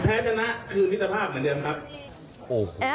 แพ้ชนะคือวิสระภาพเหมือนเดิม